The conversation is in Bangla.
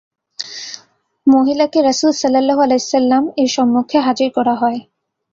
মহিলাকে রাসূল সাল্লাল্লাহু আলাইহি ওয়াসাল্লাম-এর সম্মুখে হাজির করা হয়।